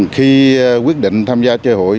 khi quyết định tham gia chơi hụi